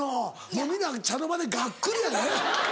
もうみんな茶の間でがっくりやで。